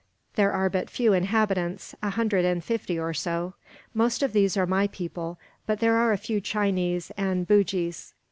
"There are but few inhabitants, a hundred and fifty or so. Most of these are my people, but there are a few Chinese and Bugis.